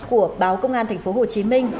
của báo công an tp hcm